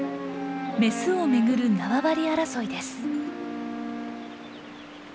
メスをめぐる縄張り争いです。